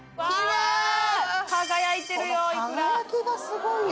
輝きがすごいよ。